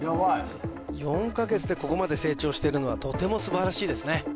４か月でここまで成長してるのはとても素晴らしいですね